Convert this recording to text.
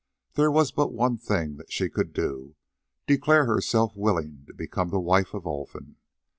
There was but one thing that she could do—declare herself willing to become the wife of Olfan.